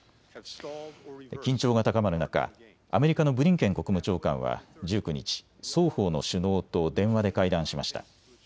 緊張が高まる中、アメリカのブリンケン国務長官は１９日、双方の首脳と電話で会談しました。